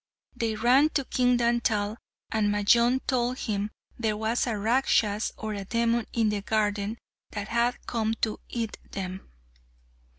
They ran to King Dantal, and Majnun told him there was a Rakshas or a demon in the garden that had come to eat them.